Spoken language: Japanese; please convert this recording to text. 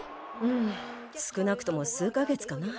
ん少なくとも数か月かな。